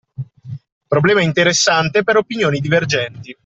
Problema interessante per opinioni divergenti.